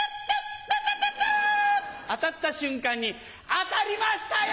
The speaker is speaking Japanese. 当たった瞬間に「当たりましたよ